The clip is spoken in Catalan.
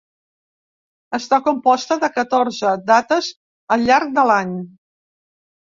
Està composta de catorze dates al llarg de l'any.